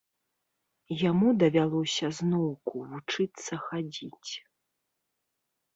Яму давялося зноўку вучыцца хадзіць.